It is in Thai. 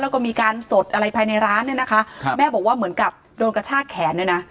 เราก็มีการสดอะไรภายในร้านแม่บอกว่าเหมือนกับโดนกระชากแขน